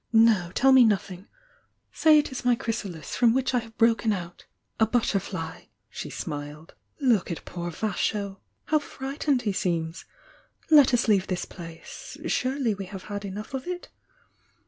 "No, tell me nothing! Say it is my chrysalis, 20 1^ 806 THE YOUNG DIANA t, ti 1 i| from which I have broken out — a butterfly!" She smiled — "Look at poor Vasho! How fri^tened he seems! Let us leave this place, — surely we have had enough of it?